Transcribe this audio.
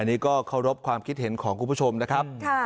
อันนี้ก็เคารพความคิดเห็นของคุณผู้ชมนะครับ